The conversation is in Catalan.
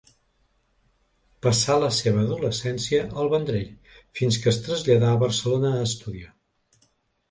Passà la seva adolescència al Vendrell, fins que es traslladà a Barcelona a estudiar.